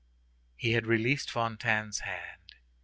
He had released Fantine's hand.